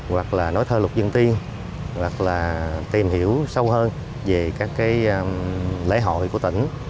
hoặc là nói thơ lục dân tiên hoặc là tìm hiểu sâu hơn về các cái lễ hội của tỉnh